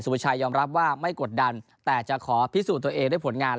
ประชัยยอมรับว่าไม่กดดันแต่จะขอพิสูจน์ตัวเองด้วยผลงาน